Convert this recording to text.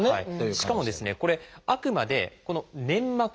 しかもこれあくまでこの「粘膜内」。